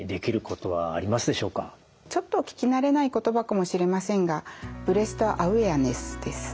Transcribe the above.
ちょっと聞き慣れない言葉かもしれませんがブレスト・アウェアネスです。